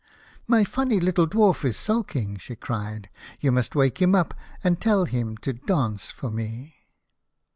" My funny little dwarf is sulking," she cried, " you must wake him up, and tell him to dance for me."